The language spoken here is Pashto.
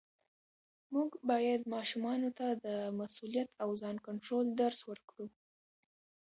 موږ باید ماشومانو ته د مسؤلیت او ځان کنټرول درس ورکړو